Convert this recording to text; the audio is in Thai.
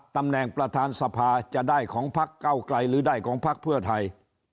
ตำแหน่งประธานสภาจะได้ของพักเก้าไกลหรือได้ของพักเพื่อไทย